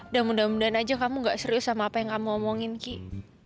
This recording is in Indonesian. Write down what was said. dan mudah mudahan aja kamu gak serius sama apa yang kamu omongin kih